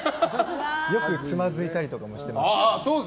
よくつまずいたりとかもしてます。